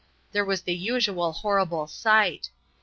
There was the usual horrible sight.